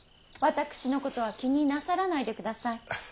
私のことは気になさらないでください。